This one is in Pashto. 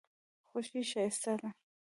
خوښي ښایسته ده.